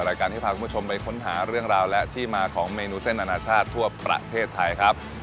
รายการที่พาคุณผู้ชมไปค้นหาเรื่องราวและที่มาของเมนูเส้นอนาชาติทั่วประเทศไทยครับ